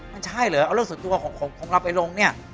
มันใช่เหรอเอาเรื่องส่วนตัวของเราไปลงเนี่ย